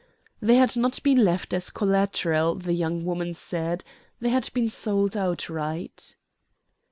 They had not been left as collateral, the young woman said; they had been sold outright.